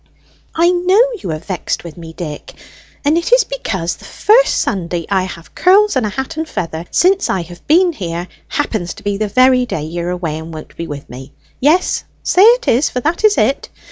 "I know you are vexed with me, Dick, and it is because the first Sunday I have curls and a hat and feather since I have been here happens to be the very day you are away and won't be with me. Yes, say it is, for that is it!